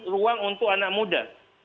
ruang untuk anak muda